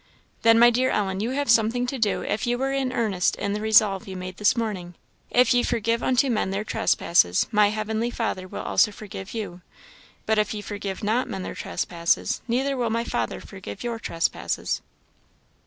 "Then, my dear Ellen, you have something to do, if you were in earnest in the resolve you made this morning. 'If ye forgive unto men their trespasses, my Heavenly Father will also forgive you; but if ye forgive not men their trespasses, neither will my Father forgive your trespasses.'